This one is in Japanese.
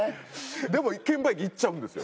でも券売機行っちゃうんですよ。